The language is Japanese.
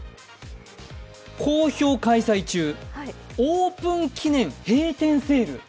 「好評開催中、オープン記念閉店セール」。